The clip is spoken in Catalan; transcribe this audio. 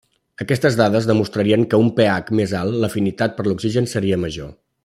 Aquestes dades demostrarien que a un pH més alt l'afinitat per l'oxigen seria major.